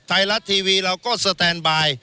ไทยรัฐทีวีเราก็สแตนบาย